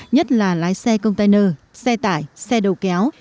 nhất là lái xe container xe tải xe đầu kéo